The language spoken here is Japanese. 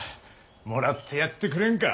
もらってやってくれんか。